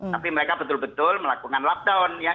tapi mereka betul betul melakukan lockdown